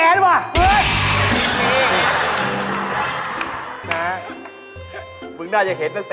เอาลงสิเหลือก